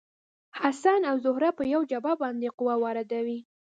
حسن او زهره په یوه جعبه باندې قوه واردوي.